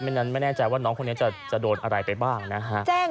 นั้นไม่แน่ใจว่าน้องคนนี้จะโดนอะไรไปบ้างนะฮะ